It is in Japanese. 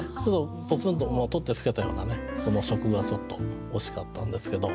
ぽつんと取って付けたようなこの初句がちょっと惜しかったんですけど。